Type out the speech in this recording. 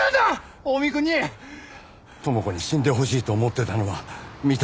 知子に死んでほしいと思ってたのは認めます。